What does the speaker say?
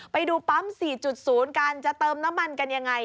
ไปดูปั๊ม๔๐กันจะเติมน้ำมันกันยังไง